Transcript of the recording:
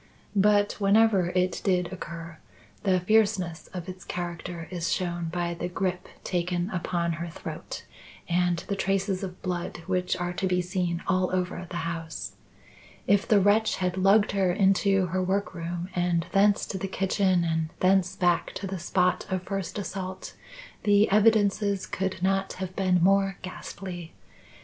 But, whenever it did occur, the fierceness of its character is shown by the grip taken upon her throat and the traces of blood which are to be seen all over the house. If the wretch had lugged her into her workroom and thence to the kitchen, and thence back to the spot of first assault, the evidences could not have been more ghastly.